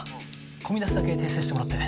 小見出しだけ訂正してもらって。